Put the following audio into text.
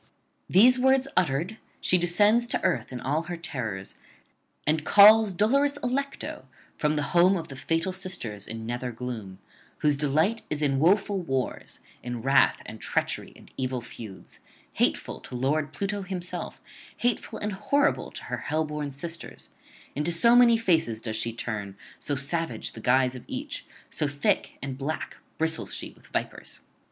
These words uttered, she descends to earth in all her terrors, and calls dolorous Allecto from the home of the Fatal Sisters in nether gloom, whose delight is in woeful wars, in wrath and treachery and evil feuds: hateful to [327 360]lord Pluto himself, hateful and horrible to her hell born sisters; into so many faces does she turn, so savage the guise of each, so thick and black bristles she with vipers.